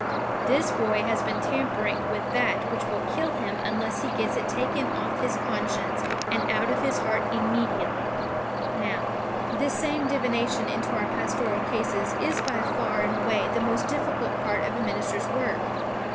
"This boy has been tampering with that which will kill him unless he gets it taken off his conscience and out of his heart immediately." Now, this same divination into our pastoral cases is by far and away the most difficult part of a minister's work.